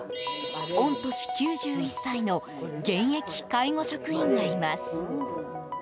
御年９１歳の現役介護職員がいます。